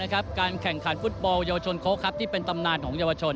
การแข่งขันฟุตบอลเยาวชนโค้กที่เป็นตำนานของเยาวชน